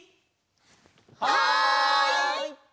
はい！